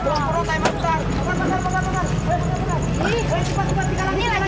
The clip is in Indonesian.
cepet cepet tinggal lagi